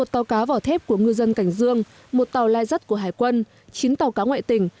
một tàu cá vỏ thép của ngư dân cảnh dương một tàu lai rắt của hải quân chín tàu cá ngoại tỉnh